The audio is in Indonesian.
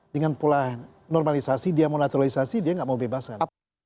dengan pola normalisasi dia mau naturalisasi dia nggak mau bebasan